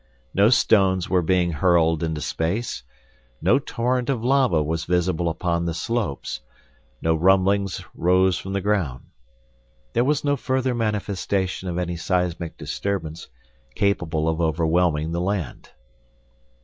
No stones were being hurled into space; no torrent of lava was visible upon the slopes; no rumblings rose from the ground. There was no further manifestation of any seismic disturbance capable of overwhelming the land.